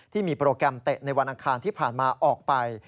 ที่มีโปรแกรมเตะในวันอังคารที่ผ่านมาออกไป